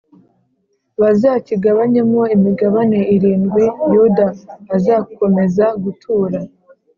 Bazakigabanyemo imigabane irindwi Yuda azakomeza gutura